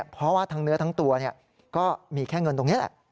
เพราะว่าทั้งเนื้อทั้งตัวก็มีแค่เงินตรงนี้แหละ